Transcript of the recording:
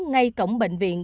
ngay cổng bệnh viện